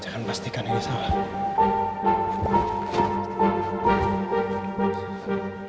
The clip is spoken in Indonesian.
jangan pastikan ini salah